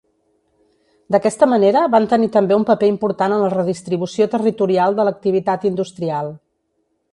D'aquesta manera van tenir també un paper important en la redistribució territorial de l'activitat industrial.